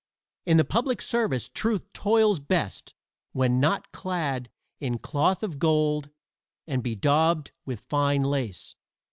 In the public service Truth toils best when not clad in cloth of gold and bedaubed with fine lace.